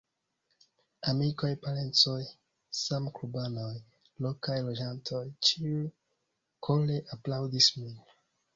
Amikoj, parencoj, samklubanoj, lokaj loĝantoj, ĉiuj kore aplaŭdis min.